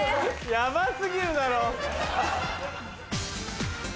ヤバ過ぎるだろ。